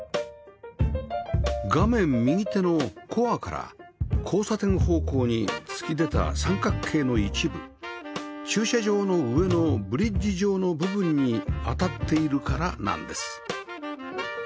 画面右手のコアから交差点方向に突き出た三角形の一部駐車場の上のブリッジ状の部分に当たっているからなんです